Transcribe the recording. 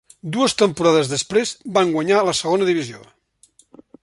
Dues temporades després van guanyar la Segona Divisió.